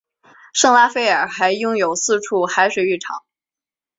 圣拉斐尔还拥有四处海水浴场。